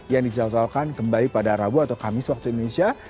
yang dijadwalkan kembali pada rabu atau kamis waktu indonesia